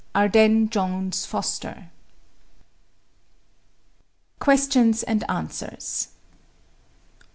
ARDENNES JONES FOSTER. QUESTIONS AND ANSWERS 1.